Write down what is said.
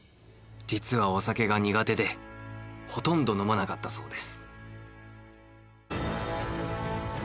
実はお酒が苦手でほとんど飲まなかったそうです。